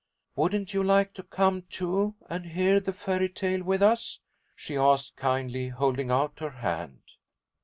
"Wouldn't you like to come too, and hear the fairy tale with us?" she asked, kindly holding out her hand.